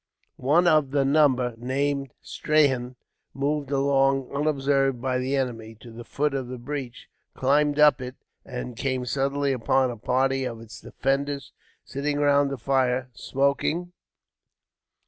One of the number, named Strahan, moved along, unobserved by the enemy, to the foot of the breach, climbed up it, and came suddenly upon a party of its defenders sitting round a fire, smoking.